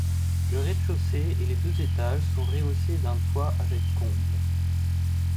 Le rez-de-chaussée et les deux étages, sont rehaussés d’un toit avec comble.